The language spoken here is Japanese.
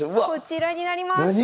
こちらになります。